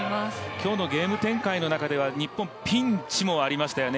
今日のゲーム展開の中では日本、ピンチもありましたよね。